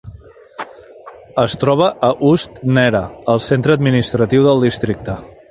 Es troba a Ust-Nera, el centre administratiu del districte.